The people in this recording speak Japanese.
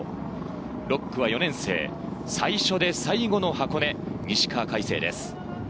６区は４年生、最初で最後の箱根、西川魁星です。